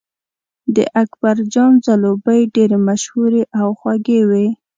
د اکبرجان ځلوبۍ ډېرې مشهورې او خوږې وې.